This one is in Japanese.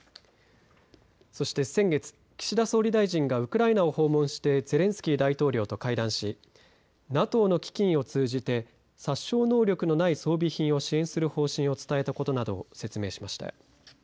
そして先月、岸田総理大臣がウクライナを訪問してゼレンスキー大統領と会談しＮＡＴＯの基金を通じて殺傷能力のない装備品を支援する方針を伝えたことなどを説明しました。